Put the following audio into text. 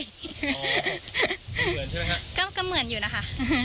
เหมือนใช่มั้ยครับก็เหมือนอยู่นะคะ